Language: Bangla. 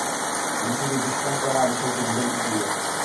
আমি শুধু দৃষ্টান্তদ্বারা বিষয়টি বুঝাইতে চাহিতেছি।